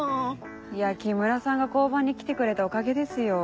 いや木村さんが交番に来てくれたおかげですよ。